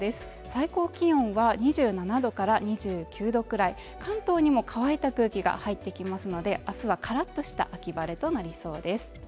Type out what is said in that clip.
最高気温は２７度から２９度くらい関東にも乾いた空気が入ってきますのであすはからっとした秋晴れとなりそうです